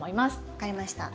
分かりました。